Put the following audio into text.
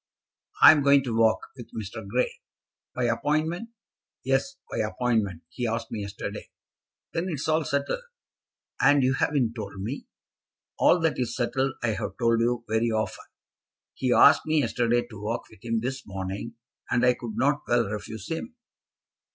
"I am going to walk, with Mr. Grey." "By appointment?" "Yes, by appointment. He asked me yesterday." "Then it's all settled, and you haven't told me!" "All that is settled I have told you very often. He asked me yesterday to walk with him this morning, and I could not well refuse him."